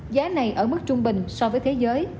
giá này ở mức trung bình so với thế giới